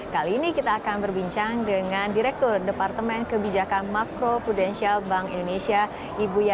kali ini kita akan tournament bimbing sosial